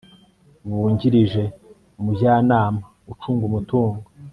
bungirije umujyanama ucunga umutungo